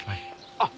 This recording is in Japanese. あっ！